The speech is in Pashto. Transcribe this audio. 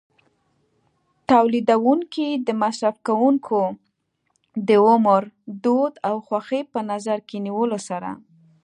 تولیدوونکي د مصرف کوونکو د عمر، دود او خوښۍ په نظر کې نیولو سره.